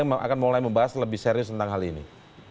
kami akan mulai membahas lebih serius tentang hal ini